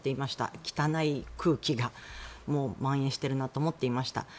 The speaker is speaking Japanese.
汚い空気がまん延しているなと思っていました。